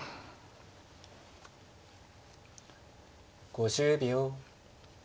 ５０秒。